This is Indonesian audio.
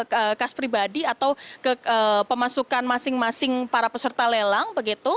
ke kas pribadi atau ke pemasukan masing masing para peserta lelang begitu